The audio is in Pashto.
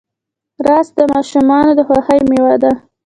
رس د ماشومانو د خوښۍ میوه ده